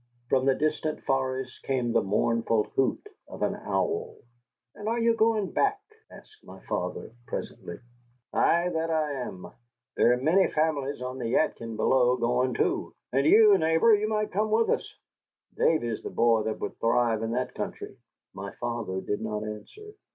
From the distant forest came the mournful hoot of an owl. "And you are going back?" asked my father, presently. "Aye, that I am. There are many families on the Yadkin below going, too. And you, neighbor, you might come with us. Davy is the boy that would thrive in that country." My father did not answer.